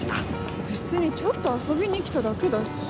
別にちょっと遊びに来ただけだし。